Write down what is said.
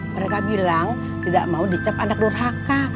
mereka bilang tidak mau dicap anak nurhaka